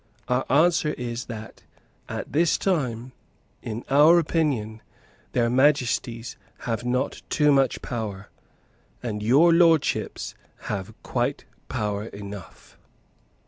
Our answer is that, at this time, in our opinion, their Majesties have not too much power, and your Lordships have quite power enough."